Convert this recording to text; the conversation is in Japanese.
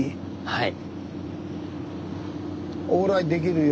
はい。